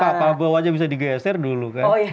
pak prabowo aja bisa digeser dulu kan